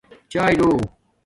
چایے لو